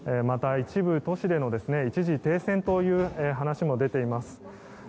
また、一部都市での一時停戦という話も出ています。